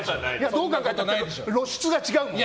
どう考えても露出が違うもん。